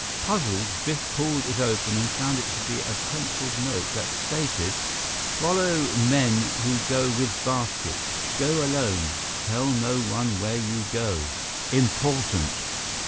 Puzzled, Biff pulled it open and found it to be a penciled note that stated: _Follow men who go with basket. Go alone. Tell no one where you go. Important.